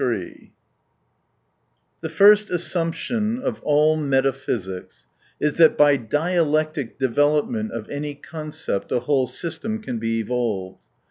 40 23 The first assumption of all metaphysics is, that by dialectic development of any concept a whole system can be evolved.